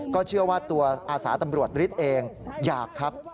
เชื่อว่าตัวอาสาตำรวจฤทธิ์เองอยากครับ